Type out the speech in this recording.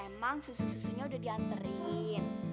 emang susu susunya udah dianterin